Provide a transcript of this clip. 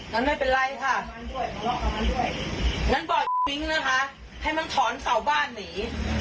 งั้นไม่เป็นไรค่ะงั้นบอกทิ้งนะคะให้มันถอนเสาบ้านหนี